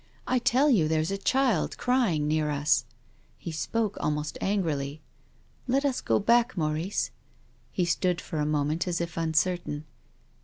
I tell you there is a child crying near 9* us. He spoke almost angrily. "Let us go back, Maurice." He stood for a moment as if uncertain.